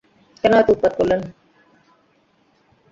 কেন এত উৎপাত করলেন!